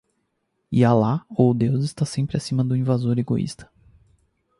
E Alá, ou Deus, está sempre acima do invasor egoísta